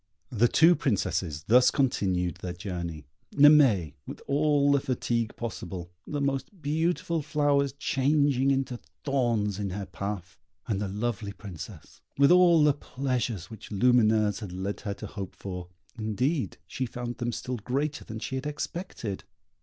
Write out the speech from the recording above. The two Princesses thus continued their journey, Naimée with all the fatigue possible, the most beautiful flowers changing into thorns in her path; and the lovely Princess, with all the pleasures which Lumineuse had led her to hope for, indeed, she found them still greater than she had expected.